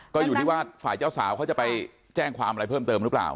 ก็อยู่ที่ว่าฝ่ายเจ้าสาวเขาจะไปแจ้งความอะไรเพิ่มเติมหรือเปล่า